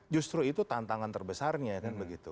justru itu tantangan terbesarnya kan begitu